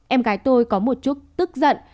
em gái tôi có một chút tức giận